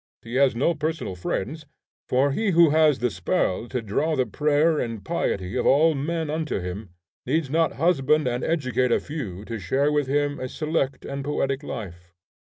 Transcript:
He has no personal friends, for he who has the spell to draw the prayer and piety of all men unto him needs not husband and educate a few to share with him a select and poetic life.